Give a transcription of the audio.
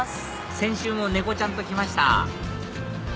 先週もねこちゃんと来ました